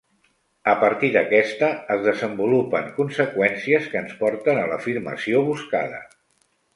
A partir d'aquesta, es desenvolupen conseqüències que ens porten a l'afirmació buscada.